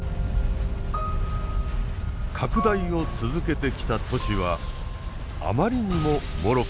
拡大を続けてきた都市はあまりにももろく